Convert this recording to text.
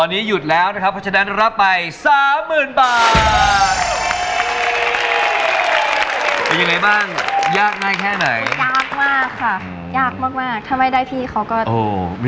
หยุดแล้วพาพี่ไปเล่นข้าวด้วย